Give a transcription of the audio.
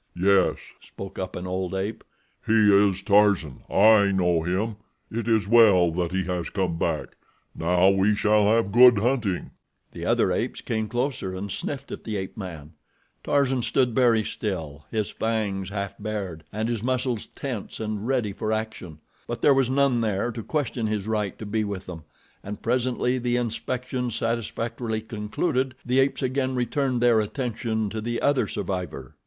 "Yes," spoke up an old ape, "he is Tarzan. I know him. It is well that he has come back. Now we shall have good hunting." The other apes came closer and sniffed at the ape man. Tarzan stood very still, his fangs half bared, and his muscles tense and ready for action; but there was none there to question his right to be with them, and presently, the inspection satisfactorily concluded, the apes again returned their attention to the other survivor.